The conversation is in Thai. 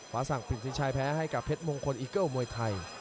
ฟ้าสังค์ถึงสินชายแพ้ให้กับเพชรมงคลอิกเกิลมวยไทย